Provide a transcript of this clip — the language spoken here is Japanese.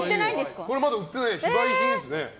まだ売ってない非売品ですね。